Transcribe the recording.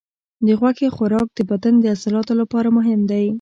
د غوښې خوراک د بدن د عضلاتو لپاره مهم دی.